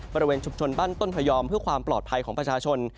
บริเวณชุมชนบ้านต้นพยอมเพื่อความปลอดภัยของประชาชน